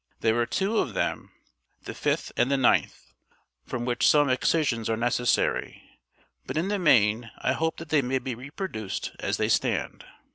There are two of them, the fifth and the ninth, from which some excisions are necessary; but in the main I hope that they may be reproduced as they stand.